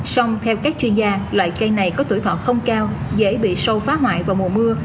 sông theo các chuyên gia loại cây này có tuổi thọ không cao dễ bị sâu phá hoại vào mùa mưa